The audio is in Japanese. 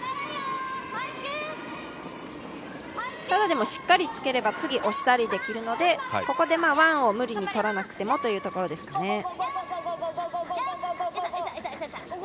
ただしっかりつければ次、押したりできるのでここでワンを無理に取らなくてもというところですね。